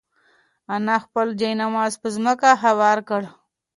انا خپل جاینماز په ځمکه هوار کړ.